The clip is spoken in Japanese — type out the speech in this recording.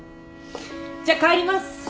じゃあ帰ります。